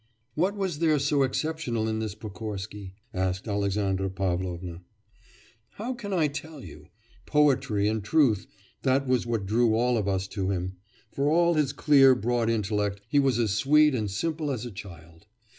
'What was there so exceptional in this Pokorsky?' asked Alexandra Pavlovna. 'How can I tell you? Poetry and truth that was what drew all of us to him. For all his clear, broad intellect he was as sweet and simple as a child.